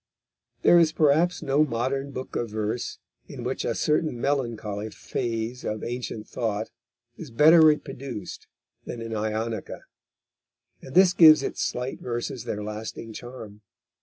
There is perhaps no modern book of verse in which a certain melancholy phase of ancient thought is better reproduced than in Ionica, and this gives its slight verses their lasting charm.